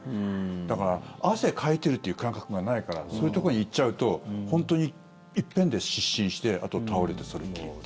だから、汗をかいているという感覚がないからそういうところに行っちゃうと本当に一遍で失神してあと倒れてっていう。